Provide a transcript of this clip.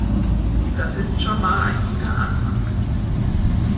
Das ist schonmal ein guter Anfang.